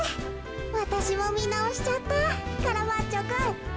わたしもみなおしちゃったカラバッチョくん。